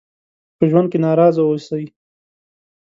په ژوند کې ناراضه اوسئ.